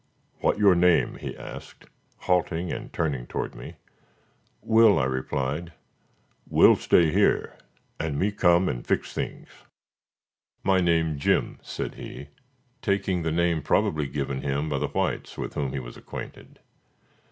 "What your name?" he asked, halting and turning toward me. "Will," I replied. "Will stay here, and me come and fix things. My name Jim," said he, taking the name probably given him by the whites with whom he was acquainted.